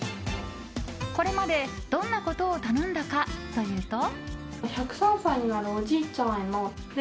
これまで、どんなことを頼んだかというと。